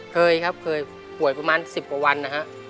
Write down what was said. เคยครับเคยป่วยประมาณ๑๐กว่าวันนะฮะ